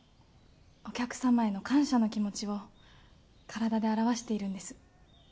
お客様への感謝の気持ちを体で表しているんです。